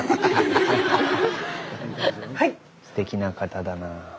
すてきな方だなぁ。